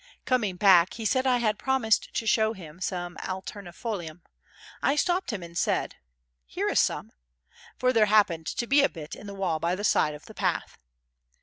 Coming back he said I had promised to show him some Alternifolium. I stopped him and said: "Here is some," for there happened to be a bit in the wall by the side of the path.